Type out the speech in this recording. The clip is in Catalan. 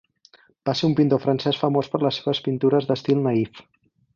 Va ser un pintor francès famós per les seves pintures d'estil naïf.